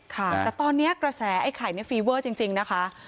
ค่ะแต่ตอนนี้กระแสไอ้ไข่นี่ฟีเวอร์จริงนะคะ